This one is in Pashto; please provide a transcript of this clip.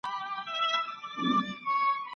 يوه ورځ يو ځوان د کلي له وتلو فکر کوي.